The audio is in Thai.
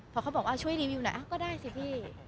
พอเขาบอกว่าช่วยรีวิวหน่อยก็ได้สิพี่